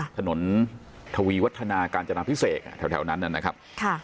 ถนนทวีวัฒนาการจนาพิเศษแถวนั้นนะครับ